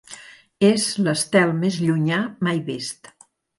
És l’estel més llunyà mai vist.